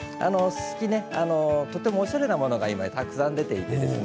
とてもおしゃれなものがたくさん出ていてですね